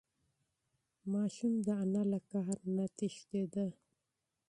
ماشوم د انا له قهر نه تښتېده.